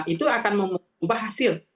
itu akan membahas hasil